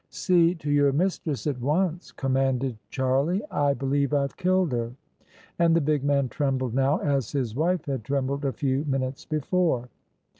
" See to your mistress at once," commanded Charlie. " I believe IVe killed her." And the big man trembled now as his wife had trembled a few minutes before.